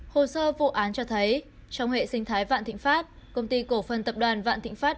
hồ sơ vụ án cho thấy trong hệ sinh thái vạn thịnh pháp công ty cổ phần tập đoàn vạn thịnh pháp